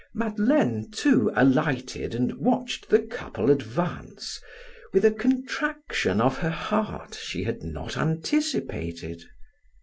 Madeleine, too, alighted and watched the couple advance, with a contraction of her heart she had not anticipated.